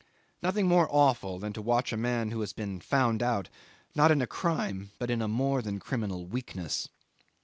Nothing more awful than to watch a man who has been found out, not in a crime but in a more than criminal weakness.